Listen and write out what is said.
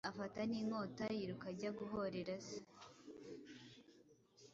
afata n’inkota yiruka ajya guhorera se